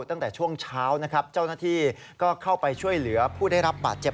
ตั้งแต่ช่วงเช้านะครับเจ้าหน้าที่ก็เข้าไปช่วยเหลือผู้ได้รับบาดเจ็บ